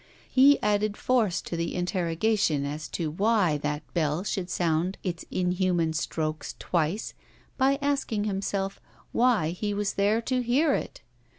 He added force to the interrogation as to why that Bell should sound its inhuman strokes twice, by asking himself why he was there to hear it!